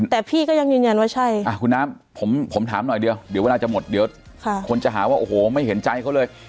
แต่พี่ก็ยังยืนยันว่าใช่